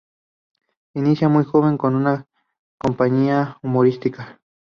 Se inicia muy joven, con una compañía humorística.